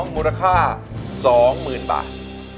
มูลค่า๒หมื่นบาท